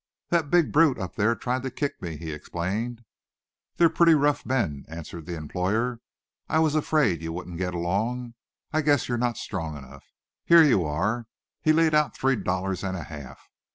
"That big brute up there tried to kick me," he explained. "They're pretty rough men," answered the employer. "I was afraid you wouldn't get along. I guess you're not strong enough. Here you are." He laid out three dollars and a half.